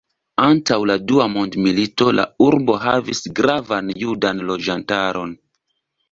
Antaŭ la Dua mondmilito, la urbo havis gravan judan loĝantaron.